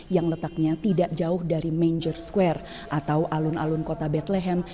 yang letaknya tidak jauh dari manger square atau alun alun kota betlehem